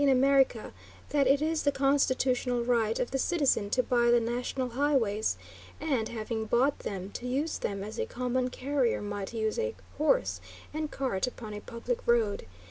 in America, that it is the constitutional right of the citizen to buy the national highways, and, having bought them, to use them as a common carrier might use a horse and cart upon a public road.